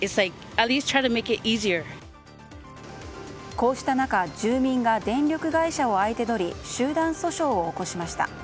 こうした中住民が電力会社を相手取り集団訴訟を起こしました。